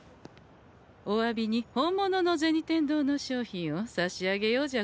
おわびに本物の銭天堂の商品をさしあげようじゃござんせんか。